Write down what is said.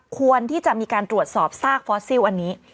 ควรที่จะมีการตรวจสอบซากฟอสซิลอันนี้